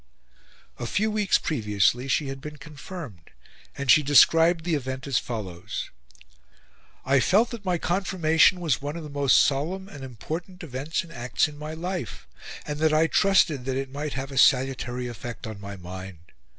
A few weeks previously she had been confirmed, and she described the event as follows: "I felt that my confirmation was one of the most solemn and important events and acts in my life; and that I trusted that it might have a salutary effect on my mind.